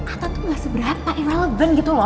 ata tuh gak seberapa irrelevant gitu loh